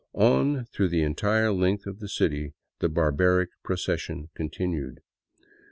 On through the entire length of the city the barbaric procession continued.